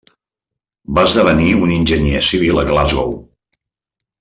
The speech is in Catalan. Va esdevenir un enginyer civil a Glasgow.